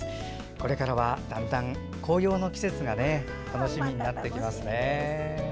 これからはだんだん紅葉の季節が楽しみになってきますね。